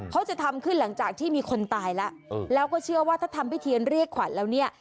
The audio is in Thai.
เขาจะทำขึ้นหลังจากที่มีคนตายแล้วแล้วก็เชื่อว่าถ้าทำพิธีเรียกขวัญแล้วเนี่ย